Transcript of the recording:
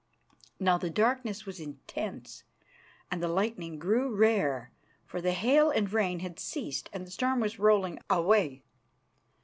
Now the darkness was intense, and the lightning grew rare, for the hail and rain had ceased and the storm was rolling away.